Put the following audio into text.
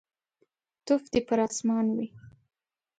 توف دي پر اسمان وي.